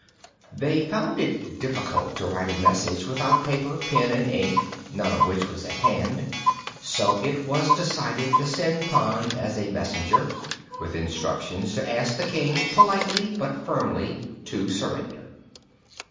They found it difficult to write a message without paper, pen and ink, none of which was at hand; so it was decided to send Pon as a messenger, with instructions to ask the King, politely but firmly, to surrender.